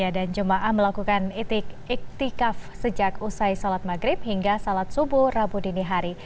dan jemaah melakukan iktik ikhtikaf sejak usai salat maghrib hingga salat subuh rabu dini hari